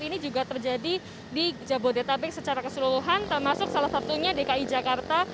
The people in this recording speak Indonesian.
ini juga terjadi di jabodetabek secara keseluruhan termasuk salah satunya dki jakarta